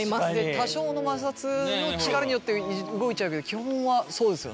多少の摩擦の力によって動いちゃうけど基本はそうですよね。